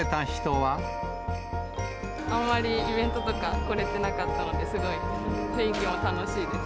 あまりイベントとか来れてなかったので、すごい雰囲気は楽しいです。